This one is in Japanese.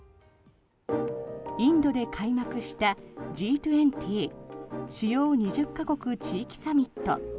インドで開幕したＧ２０＝主要２０か国・地域サミット。